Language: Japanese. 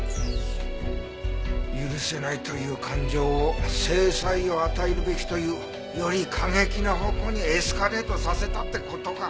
「許せない」という感情を「制裁を与えるべき」というより過激な方向にエスカレートさせたって事か。